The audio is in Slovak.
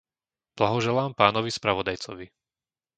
Blahoželám pánovi spravodajcovi.